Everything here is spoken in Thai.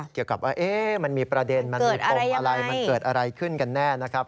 เกี่ยวกับว่ามันมีประเด็นมันมีปมอะไรมันเกิดอะไรขึ้นกันแน่นะครับ